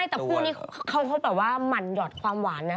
แต่คู่นี้เขาแบบว่าหมั่นหยอดความหวานนะ